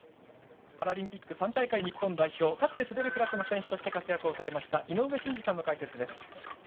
パラリンピック３大会日本代表立って滑るクラスとして活躍をされました井上真司さんの解説です。